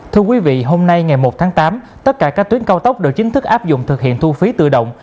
thưa quý vị hôm nay ngày một tháng tám tất cả các tuyến cao tốc đều chính thức áp dụng thực hiện thu phí tự động